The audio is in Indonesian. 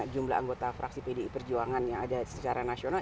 jumlah anggota fraksi pdi perjuangan yang ada secara nasional